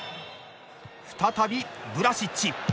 再びブラシッチ！